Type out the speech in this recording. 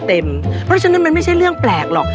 เพราะฉะนั้นมันไม่ใช่เรื่องแปลกหรอก